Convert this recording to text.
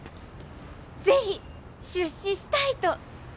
是非出資したいと！